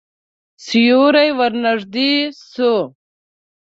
سیوری ورنږدې شو.